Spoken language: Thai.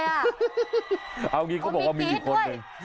เอาอย่างนี้เขาก็บอกว่ามีอีกคนนึง